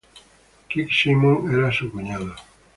Kick Simón era su cuñado.